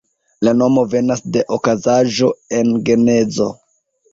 La nomo venas de okazaĵo en Genezo.